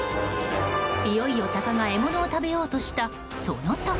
いよいよタカが獲物を食べようとしたその時。